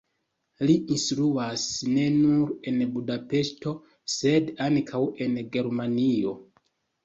Li instruas ne nur en Budapeŝto, sed ankaŭ en Germanio.